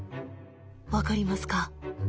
分かりますか？